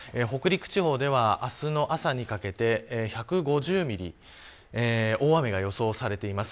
北陸地方では明日の朝にかけて１５０ミリの大雨が予想されています。